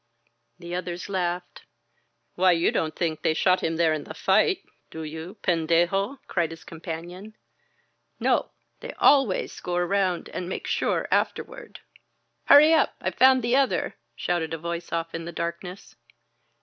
The others laughed. "Why, you don't think they shot him there in the fight, do you, pendecof cried his companion. "No, they always go around and make sure afterward " "Hurry up ! I've found the other," shouted a voice off in the darkness.